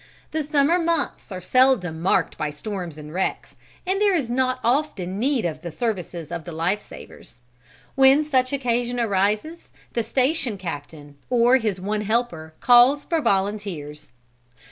The summer months are seldom marked by storms and wrecks, and there is not often need of the services of the life savers. When such occasion arises the station captain, or his one helper, calls for volunteers.